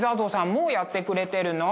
もうやってくれてるの？